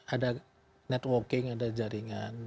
ada networking ada jaringan